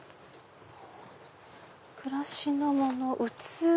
「暮らしのもの」。